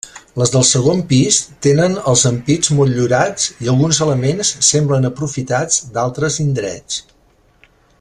Les del segon pis tenen els ampits motllurats i alguns elements semblen aprofitats d'altres indrets.